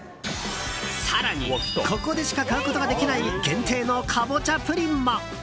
更にここでしか買うことができない限定のカボチャプリンも。